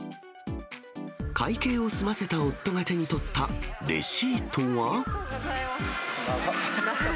会計を済ませた夫が手に取ったレシートは。